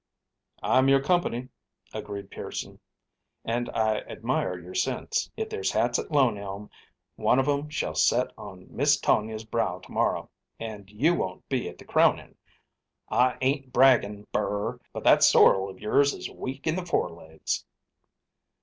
"I'm your company," agreed Pearson, "and I admire your sense. If there's hats at Lone Elm, one of 'em shall set on Miss Tonia's brow to morrow, and you won't be at the crowning. I ain't bragging, Burr, but that sorrel of yours is weak in the fore legs."